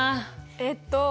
えっと。